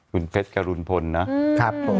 คุณเพชรกรุณพลนะ